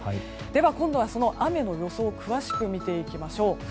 では今度は雨の予想を詳しく見ていきましょう。